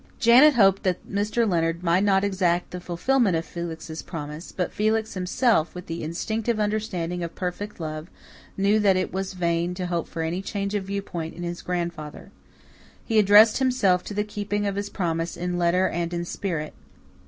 Janet hoped that Mr. Leonard might not exact the fulfilment of Felix's promise; but Felix himself, with the instinctive understanding of perfect love, knew that it was vain to hope for any change of viewpoint in his grandfather. He addressed himself to the keeping of his promise in letter and in spirit.